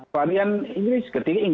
varian inggris ketika